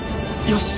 よし！